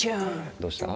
どうした？